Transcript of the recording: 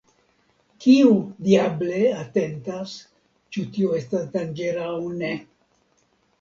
Kiu, diable, atentas, ĉu tio estas danĝera aŭ ne!